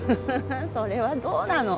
それはどうなの？